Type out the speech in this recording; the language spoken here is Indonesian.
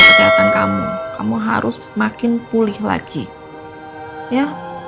kesehatan kamu kamu harus makin pulih lagi ya